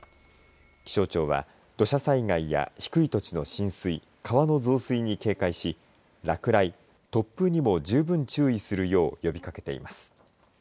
気象庁は土砂災害や低い土地の浸水川の増水に警戒し落雷、突風にも十分注意するよう呼びかけています。